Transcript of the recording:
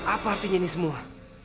apa artinya ini semua